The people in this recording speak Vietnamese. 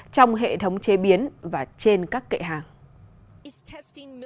trong hệ thống chế biến và trên các kệ hàng